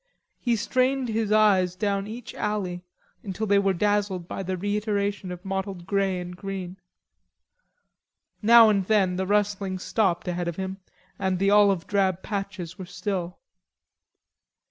He strained his eyes down each alley until they were dazzled by the reiteration of mottled grey and green. Now and then the rustling stopped ahead of him, and the olive drab patches were still.